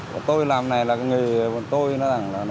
còn tôi làm này là cái nghề của tôi nói rằng là